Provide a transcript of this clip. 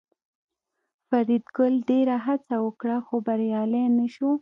فریدګل ډېره هڅه وکړه خو بریالی نشو